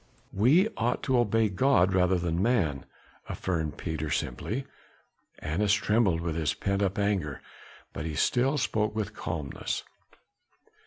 "We ought to obey God rather than man," affirmed Peter simply. Annas trembled with his pent up anger, but he still spoke with calmness.